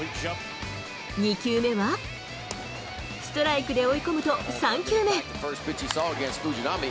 ２球目は、ストライクで追い込むと、３球目。